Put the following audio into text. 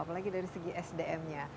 apalagi dari segi sdm nya